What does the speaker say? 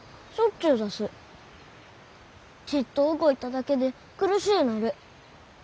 ちいっと動いただけで苦しゅうなる。